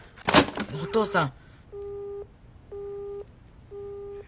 お父さん。